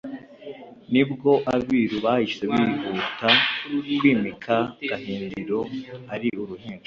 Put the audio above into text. Ni bwo Abiru bahise bihuta kwimika Gahindiro ari uruhinja